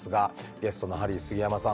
ゲストのハリー杉山さん